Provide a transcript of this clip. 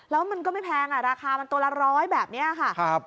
แล้วมันก็ไม่แพงราคามันตัวละร้อยแบบนี้ค่ะ